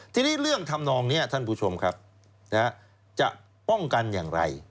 ทีนี้เรื่องทำนองนี้ท่านผู้ชมครับจะป้องกันอย่างไร